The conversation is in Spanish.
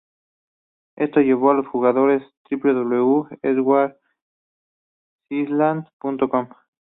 Esto llevó a los jugadores a www.edwardsisland.com.